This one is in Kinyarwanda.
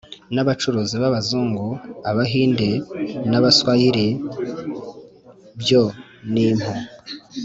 n abacuruzi b abazungu Abahinde n abaswahili byo n impu